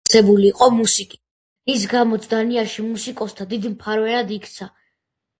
იგი დაინტერესებული იყო მუსიკით, რის გამოც დანიაში მუსიკოსთა დიდ მფარველად იქცა.